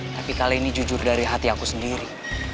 tapi kali ini jujur dari hati aku sendiri